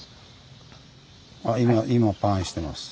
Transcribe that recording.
あ今パンしてます。